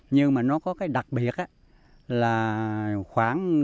nhưng mà nó có cái đặc biệt là